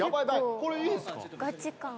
これいいんですか？